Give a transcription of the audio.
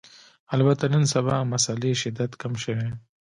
البته نن سبا مسألې شدت کم شوی